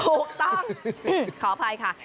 ถูกต้องขออภัยค่ะ